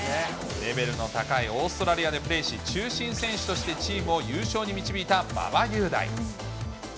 レベルの高いオーストラリアでプレーし、中心選手としてチームを優勝に導いた馬場雄大。